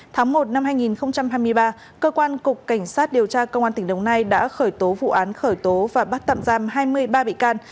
tháng một năm hai nghìn hai mươi ba cơ quan cục cảnh sát điều tra công an tỉnh đồng nai đã khởi tố vụ án khởi tố và bắt tạm giam hai mươi ba bị can